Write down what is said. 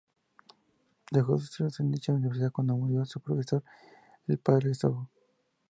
Dejó sus estudios en dicha universidad cuando murió su profesor, el padre Sojo.